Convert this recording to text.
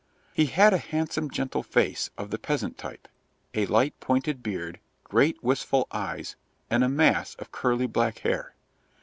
He had a handsome, gentle face of the peasant type, a light, pointed beard, great wistful eyes, and a mass of curly black hair.